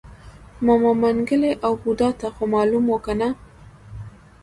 ماما منګلی او بوډا ته خومالوم و کنه.